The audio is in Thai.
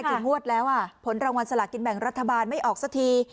ถึงงวดแล้วผลรางวัลสลากินแบ่งรัฐบาลไม่ออกสักที